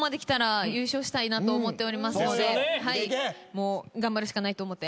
もう頑張るしかないと思って。